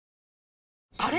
あれ？